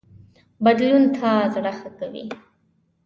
بدلون ته زړه ښه کوي